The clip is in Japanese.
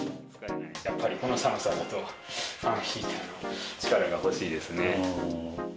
やっぱりこの寒さだと、ファンヒーターの力が欲しいですね。